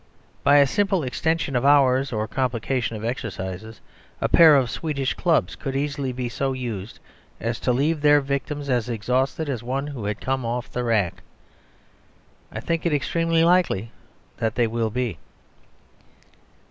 By a simple extension of hours or complication of exercises a pair of Swedish clubs could easily be so used as to leave their victim as exhausted as one who had come off the rack. I think it extremely likely that they will be.